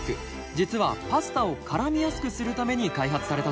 実はパスタを絡めやすくするために開発されたそう。